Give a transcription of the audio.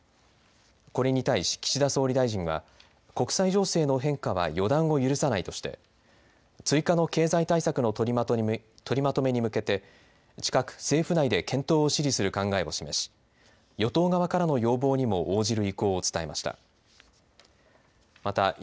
これに対し岸田総理大臣は国際情勢の変化は予断を許さないとして追加の経済対策の取りまとめに向けて近く政府内で検討を指示する考えを示し与党側からの要望にも応じる意向を伝えました。